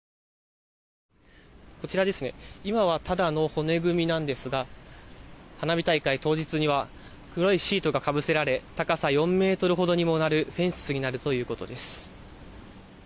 こちら、今はまだ骨組みなんですが花火大会当日には黒いシートがかぶせられ高さ４ｍほどにもなるフェンスになるということです。